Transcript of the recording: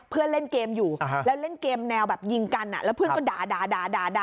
เล่นเกมอยู่แล้วเล่นเกมแนวแบบยิงกันแล้วเพื่อนก็ด่า